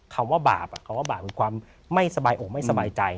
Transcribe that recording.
คำว่าบาปคำว่าบาปคือความไม่สบายอกไม่สบายใจ